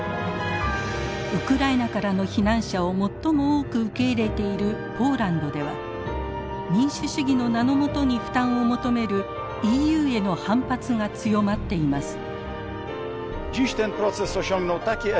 ウクライナからの避難者を最も多く受け入れているポーランドでは民主主義の名の下に負担を求めるＥＵへの反発が強まっています。